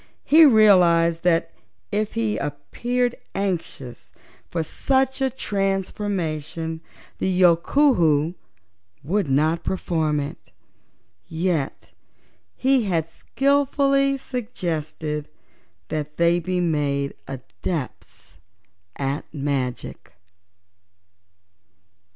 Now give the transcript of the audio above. He realized that if he appeared anxious for such a transformation the Yookoohoo would not perform it, yet he had skillfully suggested that they be made Adepts at Magic.